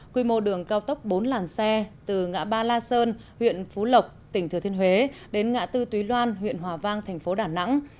quy mô đường cao tốc bốn làn xe từ ngã ba la sơn huyện phú lộc tỉnh thừa thiên huế đến ngã tư túy loan huyện hòa vang thành phố đà nẵng